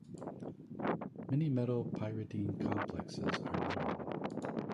Many metal pyridine complexes are known.